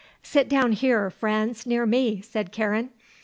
"Sit down here, Franz, near me," said Karen.